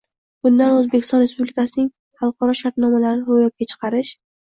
bundan O‘zbekiston Respublikasining xalqaro shartnomalarini ro‘yobga chiqarish